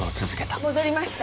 戻りました